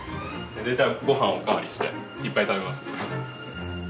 大体ごはんをお代わりしていっぱい食べますね。